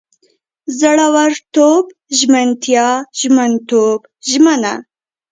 زړورتوب، ژمنتیا، ژمنتوب، ژمنه